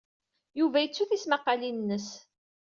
Yuba yettu tismaqqalin-nnes.